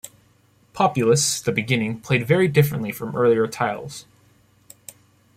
"Populous: The Beginning" played very differently from earlier titles.